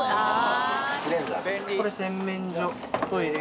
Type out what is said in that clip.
これ洗面所トイレ